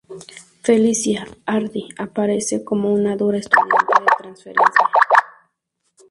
Felicia Hardy aparece como una dura estudiante de transferencia.